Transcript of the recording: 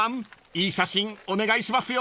いい写真お願いしますよ］